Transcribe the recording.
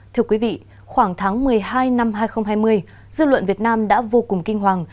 thưa quý vị khoảng tháng một mươi hai năm hai nghìn hai mươi dư luận việt nam đã vô cùng kinh hoàng